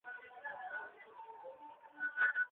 که یو څوک زیار ونه باسي نو وړتیا یې بې ګټي ده.